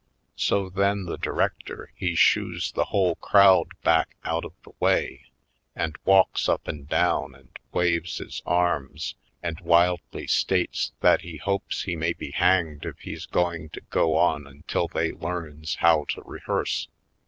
So then the director he shooes the v/hole crowd back out of the way and walks up and down and waves his arms and wildly states that he hopes he may be hanged if he's going to go on until they learns how to rehearse.